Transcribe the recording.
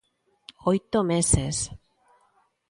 ¡Oito meses!